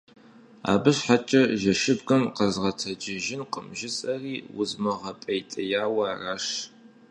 Абы щхьэкӀэ жэщыбгым къэзгъэтэджыжынкъым, жысӀэри узмыгъэпӀейтеяуэ аращ.